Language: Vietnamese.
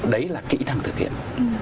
đấy là kỹ năng thực hiện